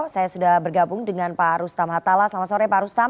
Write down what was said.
saya sudah bergabung dengan pak rustam hatala selamat sore pak rustam